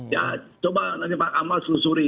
ya coba nanti pak amal selusuri